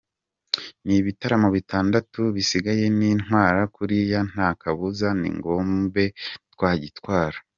N’ibitaramo bitandatu bisigaye ninitwara kuriya nta kabuza n’igikombe twagitwara.